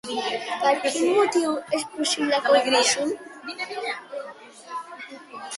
Per quin motiu és possible que ho fessin?